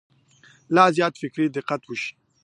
لا زیات فکري دقت وشي.